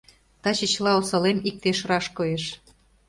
Таче чыла осалем иктеш раш коеш...